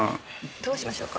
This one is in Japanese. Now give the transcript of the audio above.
どうしましょうか？